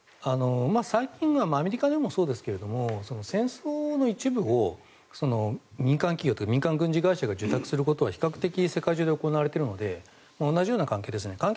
最近のはアメリカでもそうですが戦争の一部を民間企業というか民間軍事会社が受託することは比較的世界中で行われているので同じような関係ですね。